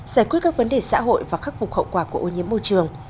giải quyết các vấn đề xã hội và khắc phục hậu quả của ô nhiễm môi trường